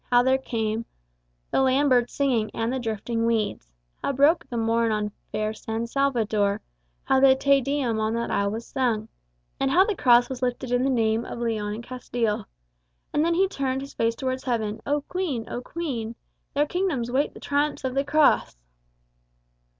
How there came The land birds singing, and the drifting weeds, How broke the morn on fair San Salvador, How the Te Deum on that isle was sung, And how the cross was lifted in the name Of Leon and Castile. And then he turned His face towards Heaven, "O Queen! O Queen! There kingdoms wait the triumphs of the cross!"